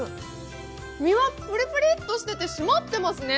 身はプリプリッとしてて締まってますね。